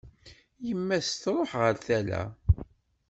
Yemma-s truḥ ɣer tala.